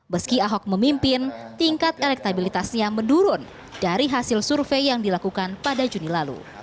meski ahok memimpin tingkat elektabilitasnya menurun dari hasil survei yang dilakukan pada juni lalu